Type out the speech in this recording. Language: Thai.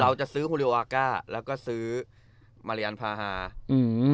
เราจะซื้อโฮริโอวาก้าแล้วก็ซื้อมาริยันพาฮาอืม